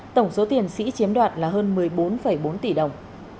tổng số tiền sĩ chiếm đoạt là hơn một mươi bốn bốn tỷ đồng